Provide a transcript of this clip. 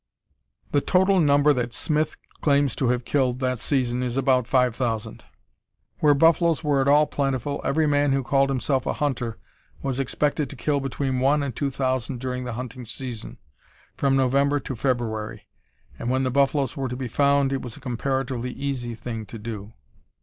The total number that Smith claims to have killed that season is "about five thousand." Where buffaloes were at all plentiful, every man who called himself a hunter was expected to kill between one and two thousand during the hunting season from November to February and when the buffaloes were to be found it was a comparatively easy thing to do.